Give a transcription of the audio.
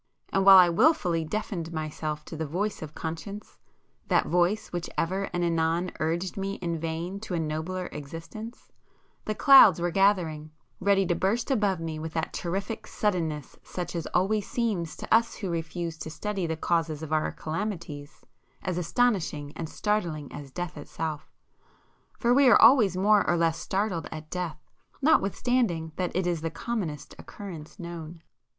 And while I wilfully deafened myself to the voice of conscience,—that voice which ever and anon urged me in vain to a nobler existence,—the clouds were gathering, ready to burst above me with that terrific suddenness such as always seems to us who refuse to study the causes of our calamities, as astonishing and startling as death itself. For we are always more or less startled at death notwithstanding that it is the commonest occurrence known.